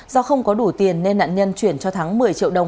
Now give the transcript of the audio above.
do không có đủ tiền nên nạn nhân chuyển cho thắng một mươi triệu đồng